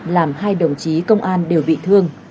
làm hai đồng chí công an đều bị thương